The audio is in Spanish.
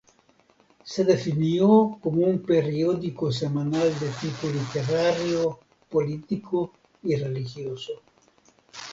Se definió como un periódico semanal de tipo literario, político y religioso.